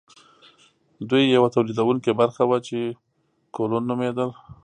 دوی یوه تولیدونکې برخه وه چې کولون نومیدل.